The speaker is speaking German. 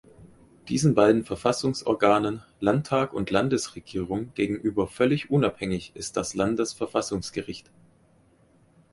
Diesen beiden Verfassungsorganen, Landtag und Landesregierung, gegenüber völlig unabhängig ist das Landesverfassungsgericht.